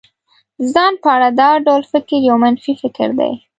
د ځان په اړه دا ډول فکر يو منفي فکر دی.